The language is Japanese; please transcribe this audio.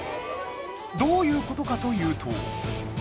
どういう事かというと